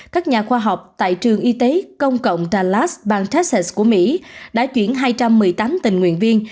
các nhà khoa học tại trường y tế công cộng ralas bang texas của mỹ đã chuyển hai trăm một mươi tám tình nguyện viên